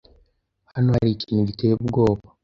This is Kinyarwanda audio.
Hano hari ikintu giteye ubwoba.